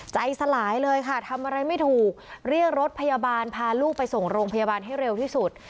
ใจสลายเลยค่ะทำอะไรไม่ถูกเรียกรถพยาบาลพาลูกไปส่งโรงพยาบาลให้เร็วที่สุด